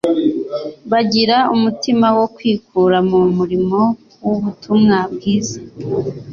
bagira umutima wo kwikura mu murimo w'ubutumwa bwiza.